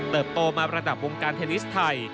โตมาระดับวงการเทนนิสไทย